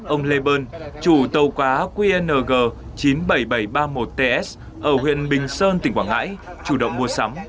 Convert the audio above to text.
ông lê bơn chủ tàu quá qng chín mươi bảy nghìn bảy trăm ba mươi một ts ở huyện bình sơn tỉnh quảng ngãi chủ động mua sắm